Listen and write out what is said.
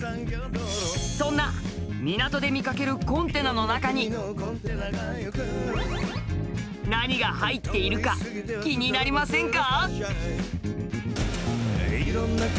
そんな港で見かけるコンテナの中に何が入っているか気になりませんか？